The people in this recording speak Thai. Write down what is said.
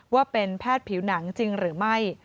ว่าเป็นแพทย์ผิวหนังจริงหรือไม่